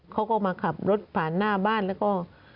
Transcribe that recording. เขาก็มาขับรถผ่านหน้าบ้านแล้วก็